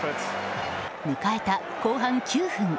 迎えた後半９分。